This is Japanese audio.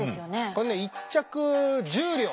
これね１着１０両。